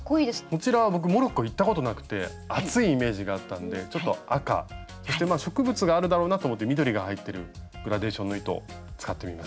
こちら僕モロッコ行ったことなくて暑いイメージがあったんでちょっと赤そして植物があるだろうなと思って緑が入ってるグラデーションの糸使ってみました。